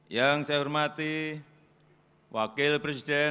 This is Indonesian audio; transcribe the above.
yang saya hormati wakil presiden